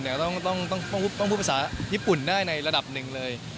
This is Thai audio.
แล้วก็คือที่ญี่ปุ่นต้องพูดภาษาญี่ปุ่นได้ในระดับหนึ่งเลย